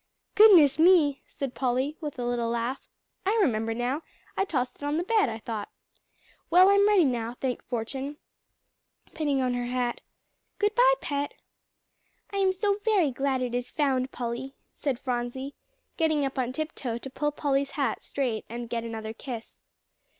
"Goodness me!" said Polly with a little laugh, "I remember now, I tossed it on the bed, I thought. Well, I'm ready now, thank fortune," pinning on her hat. "Good bye, Pet." "I am so very glad it is found, Polly," said Phronsie, getting up on tiptoe to pull Polly's hat straight and get another kiss.